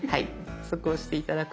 そこ押して頂くと。